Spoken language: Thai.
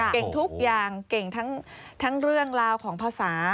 เก่งทุกอย่างเก่งทั้งเรื่องราวของภาษา